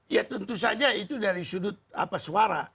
ya tentu saja itu dari sudut suara